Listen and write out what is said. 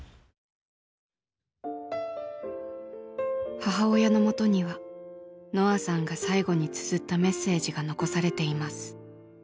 母親のもとにはのあさんが最後につづったメッセージが残されています。